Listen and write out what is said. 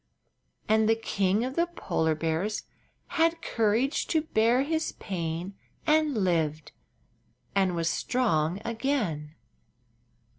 And the King of the Polar Bears had courage to bear his pain and lived and was strong again.